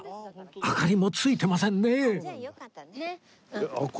明かりもついてませんね